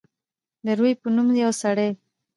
د روي په نوم یو سړی.